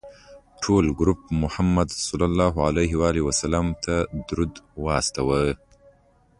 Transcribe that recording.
ټول ګروپ محمد علیه السلام ته درود واستوه.